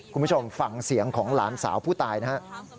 คุณผู้ชมฟังเสียงของหลานสาวผู้ตายนะฮะ